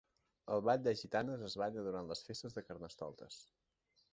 El Ball de Gitanes es balla durant les festes de Carnestoltes.